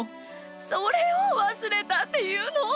それをわすれたっていうの！